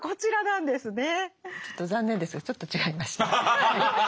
ちょっと残念ですがちょっと違いまして。